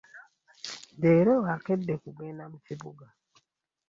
Leero akedde kugenda mu kibuga.